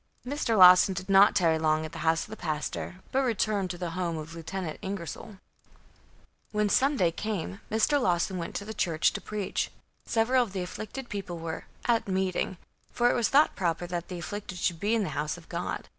Mr. Lawson did not tarry long at the house of the pastor; but returned to the home of Lieut. Ingersol. When Sunday came, Mr. Lawson went to the church to preach. Several of the afflicted people were "at meeting," for it was thought proper that the afflicted should be in the house of God.